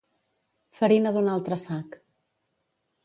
Farina d'un altre sac.